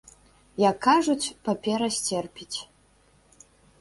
Як кажуць, папера сцерпіць.